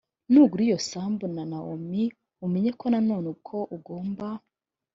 nugura iyo sambu na nawomi umenye nanone ko ugomba